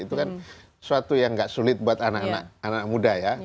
itu kan suatu yang gak sulit buat anak anak muda ya